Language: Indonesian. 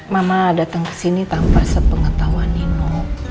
mama datang kesini tanpa sepengetahuan nino